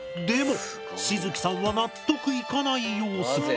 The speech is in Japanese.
でもしづきさんは納得いかない様子。